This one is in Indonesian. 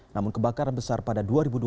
namun kebakaran besar pada dua ribu dua puluh